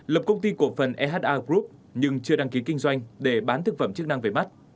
lập công ty cổ phần eha group nhưng chưa đăng ký kinh doanh để bán thực phẩm chức năng về mắt